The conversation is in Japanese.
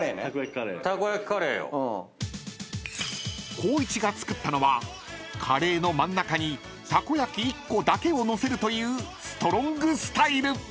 ［光一が作ったのはカレーの真ん中にたこ焼き１個だけを載せるというストロングスタイル］